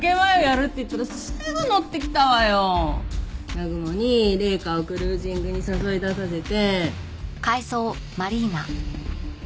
南雲に麗華をクルージングに誘い出させて。